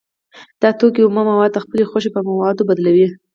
دا توکی اومه مواد د خپلې خوښې په موادو بدلوي